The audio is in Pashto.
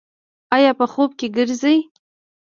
ایا په خوب کې ګرځئ؟